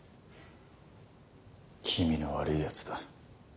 気味の悪いやつだ。